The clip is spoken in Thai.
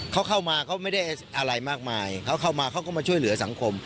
เขาเข้ามาเขาไม่ได้อะไรมากมายเขาเข้ามาเขาก็มาช่วยเหลือสังคม